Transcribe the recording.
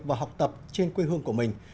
và học tập trên quê hương của mình